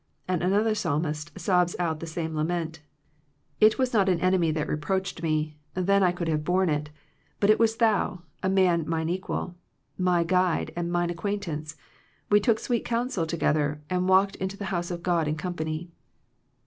And another Psalmist sobs out the same lament, Itwas not 155 Digitized by VjOOQIC THE WRECK OF FRIENDSHIP an enemy that reproached me, then I could have borne it, but it was thou, a man mine equal, my guide and mine ac quaintance. We took sweet counsel to gether, and walked into the house of God in company."